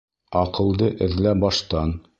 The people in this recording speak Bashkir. Аҡылды эҙлә баштан.